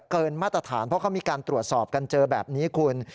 เกินมาตรฐานเพราะเขามีการตรวจสอบกันเจอแบบนี้คุณ